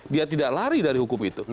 dia tidak lari dari hukum itu